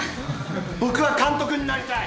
僕は監督になりたい！